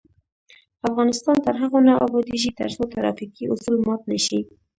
افغانستان تر هغو نه ابادیږي، ترڅو ترافیکي اصول مات نشي.